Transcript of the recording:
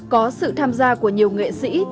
có sự tham gia của nhiều nghệ sĩ